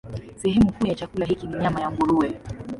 Sehemu kuu ya chakula hiki ni nyama ya nguruwe.